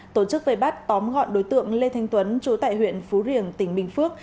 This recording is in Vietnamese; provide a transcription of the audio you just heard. tổ chức vây bắt tóm gọn đối tượng lê thanh tuấn chú tại huyện phú riềng tỉnh bình phước